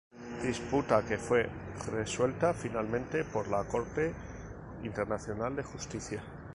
Disputa que fue resuelta finalmente por la Corte Internacional de Justicia.